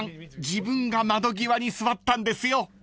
自分が窓際に座ったんですよ］